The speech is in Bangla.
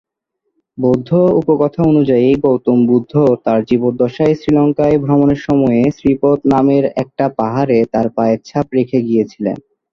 বৌদ্ধ উপকথা অনুযায়ী গৌতম বুদ্ধ তার জীবদ্দশায় শ্রীলংকায় ভ্রমনের সময়ে "শ্রী পদ" নামের একটা পাহাড়ে তার পায়ের ছাপ রেখে গিয়েছিলেন।